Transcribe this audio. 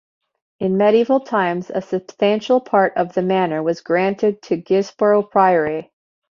In medieval times, a substantial part of the manor was granted to Gisborough Priory.